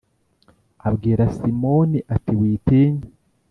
abwira Simoni ati witinya